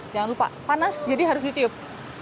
jangan lupa panas jadi harus ditiup